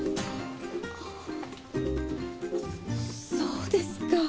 あぁそうですか。